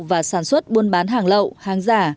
và sản xuất buôn bán hàng lậu hàng giả